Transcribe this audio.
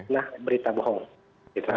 nah berita bohong